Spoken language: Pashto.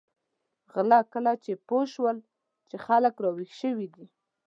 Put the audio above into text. غله لکه چې پوه شول چې خلک را وېښ شوي دي.